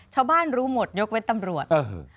ชาวบ้านรู้หมดยกไว้ตำรวจ